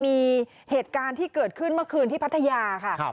มีเหตุการณ์ที่เกิดขึ้นเมื่อคืนที่พัทยาค่ะ